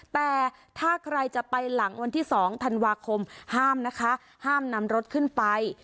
แต่ถ้าใครจะไปหลังวันที่๒ธันวาคมห้ามนะคะห้ามนำรถขึ้นไป